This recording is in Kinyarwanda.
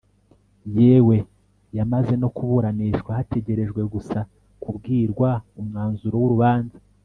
yewe yamaze no kuburanishwa hategerejwe gusa kubwirwa umwanzuro wurubanza